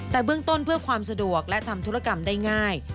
แต่เบื้องต้นเพื่อความสะดวกและทำธุรกรรมได้ง่าย